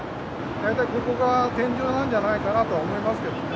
大体ここが天井なんじゃないかなとは思いますけどね。